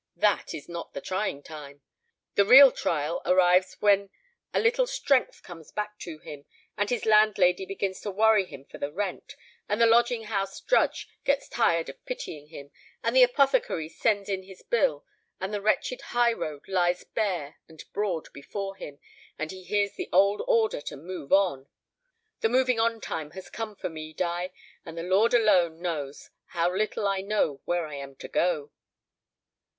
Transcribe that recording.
That is not the trying time. The real trial arrives when a little strength comes back to him, and his landlady begins to worry him for her rent, and the lodging house drudge gets tired of pitying him, and the apothecary sends in his bill, and the wretched high road lies bare and broad before him, and he hears the old order to move on. The moving on time has come for me, Di; and the Lord alone knows how little I know where I am to go."